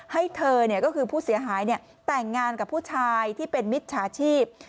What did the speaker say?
ให้เธอเนี่ยก็คือผู้เสียหายเนี่ยแต่งงานกับผู้ชายที่เป็นมิตรชาชีพ